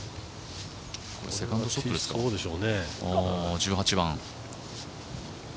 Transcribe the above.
セカンドショットですか、１８番。